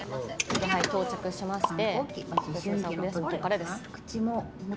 で、到着しまして。